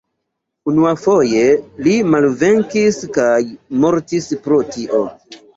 Unuafoje li malvenkis kaj mortis pro tio.